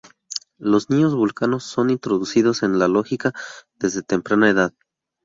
Los niños vulcanos son introducidos en la lógica desde temprana edad.